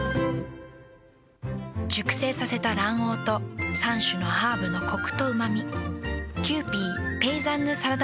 熟成させた卵黄と３種のハーブのコクとうま味。